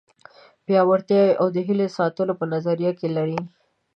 پیاوړتیا او د هیلو د ساتلو په نظر کې لري.